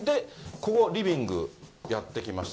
ここ、リビング、やって来ました。